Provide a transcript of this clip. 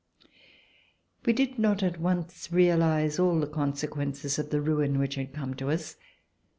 We did not at once realize all the consequences of the ruin which had come to us.